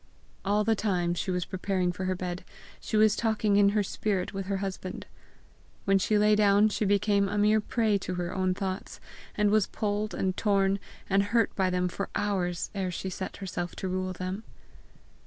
All the time she was preparing for her bed, she was talking in her spirit with her husband. When she lay down she became a mere prey to her own thoughts, and was pulled, and torn, and hurt by them for hours ere she set herself to rule them.